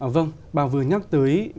vâng bà vừa nhắc tới